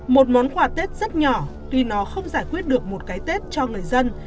một món quà tết rất nhỏ tuy nó không giải quyết được một cái tết cho người dân